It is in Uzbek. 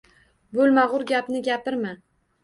— Bo‘lmag‘ur gapni gapirma!